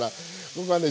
僕はね